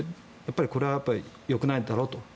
これはどうもよくないだろうと。